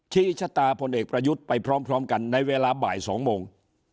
ชี้ชะตาพลเอกประยุทธ์ไปพร้อมกันในเวลาบ่าย๒โมง